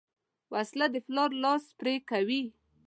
وسله د پلار لاس پرې کوي